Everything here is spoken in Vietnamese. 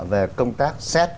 về công tác xét